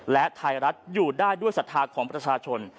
และไทยรัฐอยู่ได้ด้วยศรัทธาของประชาชน